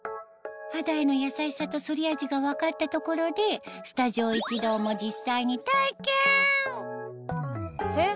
肌への優しさと剃り味が分かったところでスタジオ一同も実際に体験えっ？